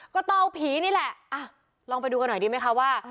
ก็เตาผีนี่แหละลองไปดูกันหน่อยดีไหมคะว่า